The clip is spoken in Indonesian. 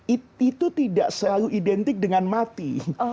itu tidak selalu identik dengan mati